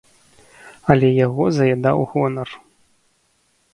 Але яго заядаў гонар.